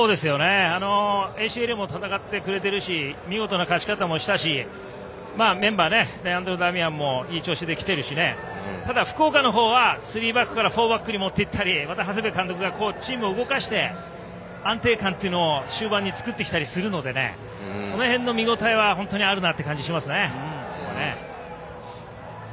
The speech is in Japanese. ＡＣＬも戦ってくれてるし見事な勝ち方もしているしレアンドロ・ダミアンもいい調子できているしただ、福岡はスリーバックからフォーバックに持っていったら長谷部監督がチームを動かして安定感を終盤に作ってきたりするしその辺の見応えはある気がしますね。